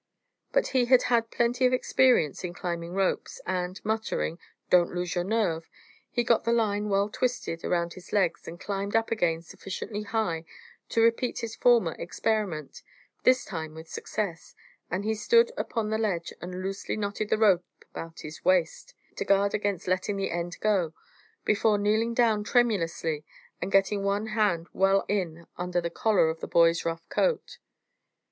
But he had had plenty of experience in climbing ropes, and, muttering, "Don't lose your nerve," he got the line well twisted round his legs, and climbed up again sufficiently high to repeat his former experiment, this time with success, and he stood upon the ledge and loosely knotted the rope about his waist, to guard against letting the end go, before kneeling down tremulously, and getting one hand well in under the collar of the boy's rough coat.